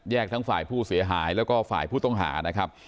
ทั้งฝ่ายผู้เสียหายแล้วก็ฝ่ายผู้ต้องหานะครับ